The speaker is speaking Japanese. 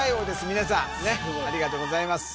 皆さんねっありがとうございます